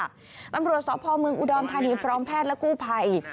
ตำรวจสพเมืองอุดรธานีพร้อมแพทย์และกู้ภัย